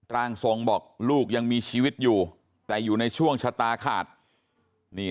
ร่างทรงบอกลูกยังมีชีวิตอยู่แต่อยู่ในช่วงชะตาขาดนี่